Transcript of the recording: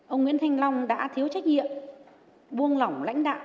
ông nguyễn thanh long đã thiếu trách nhiệm buông lỏng lãnh đạo